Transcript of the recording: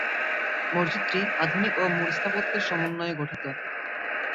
মসজিদটি আধুনিক ও মুর স্থাপত্যের সমন্বয়ে গঠিত।